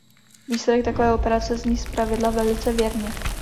Výsledek takové operace zní zpravidla velice věrně.